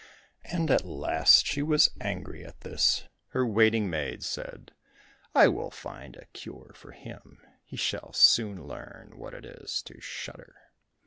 And at last she was angry at this. Her waiting maid said, "I will find a cure for him; he shall soon learn what it is to shudder."